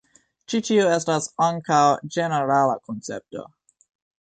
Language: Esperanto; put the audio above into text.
Ĉi tiu estas ankaŭ ĝenerala koncepto.